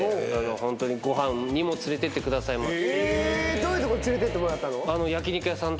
どういうとこ連れてってもらったの？